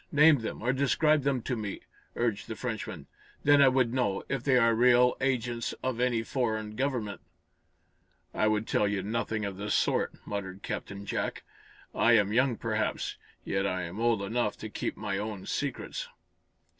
Name them, or describe them to me," urged the Frenchman. "Then I would know, if they are real agents of any foreign government." "I would tell you nothing of the sort," muttered Captain Jack. "I am young, perhaps, yet I'm old enough to keep my own secrets."